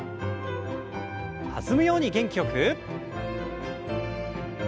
弾むように元気よく。